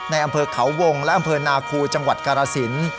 ในอำเภอเขาวงและอำเภอนาคูจังหวัดกรสิน